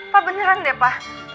papa beneran deh papa